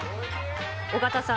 尾形さん